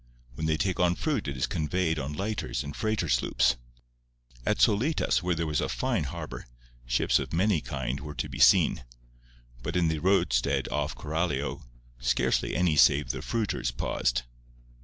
When they take on fruit it is conveyed on lighters and freighter sloops. At Solitas, where there was a fine harbour, ships of many kinds were to be seen, but in the roadstead off Coralio scarcely any save the fruiters paused.